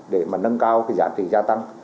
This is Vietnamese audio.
để nâng cao giá trị gia tăng